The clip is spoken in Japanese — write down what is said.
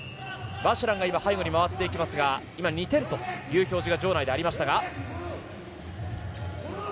バジュランが今、背後に入っていきますが今２点という表示が場内でありましたが。